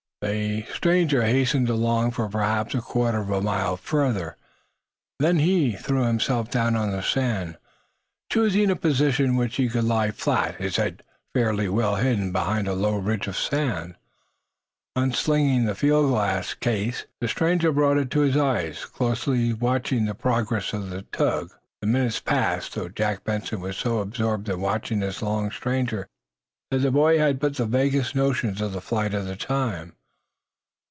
The stranger hastened along for perhaps a quarter of a mile further. Then he threw himself down on the sand, choosing a position in which he could lie flat, his head fairly well hidden behind a low ridge of sand. Unslinging the field glass, the stranger brought it to his eyes, closely watching the progress of the tug. "Ha ha!" muttered watchful Jack, who had followed, keeping behind another sand ridge. "So, sir!" The minutes passed, though Jack Benson was so absorbed in watching this long stranger that the boy had but the vaguest notions of the flight of time.